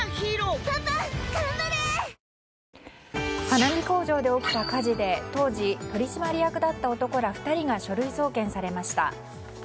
花火工場で起きた火事で当時、取締役だった男ら２人が書類送検されました。